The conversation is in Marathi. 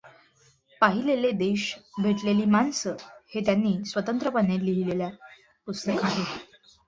पाहिलेले देश भेटलेली माणसं हे त्यांनी स्वतंत्रपणे लिहिलेले पुस्तक आहे.